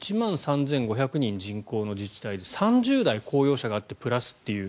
１万３５００人、人口の自治体で３０台公用車があってプラスっていう。